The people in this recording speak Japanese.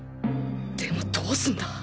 でもどうすんだ？